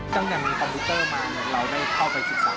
ตั้งแต่มีคอมพิวเตอร์มาเราได้เข้าไปศึกษา